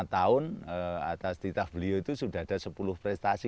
lima tahun atas titah beliau itu sudah ada sepuluh prestasi